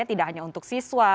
tidak hanya untuk siswa